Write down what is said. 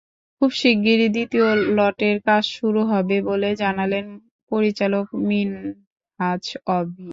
খুব শিগগিরই দ্বিতীয় লটের কাজ শুরু হবে বলে জানালেন পরিচালক মিনহাজ অভি।